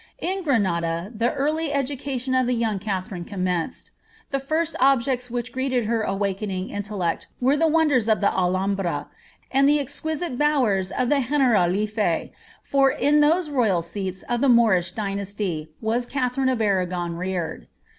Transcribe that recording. In Granada the early education of the young Katha rine commenced. The first objects which greeted her awakening intel* lect were the wonders of the Aihambra, and the exquisite bowers of the General) fie; for in those royal seats of the Moorish dynasty was Katha rine of Arragon reared.